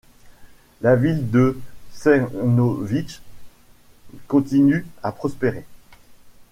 La ville de Czernowitz continue à prospérer.